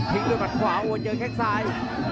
ทิ้งด้วยมันขวาโวโหเจอกันแซกซาย